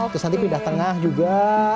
terus nanti pindah tengah juga